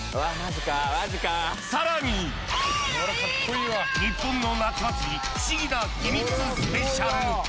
更に、日本の夏祭り不思議な秘密スペシャル。